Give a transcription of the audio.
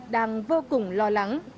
đang vô cùng lo lắng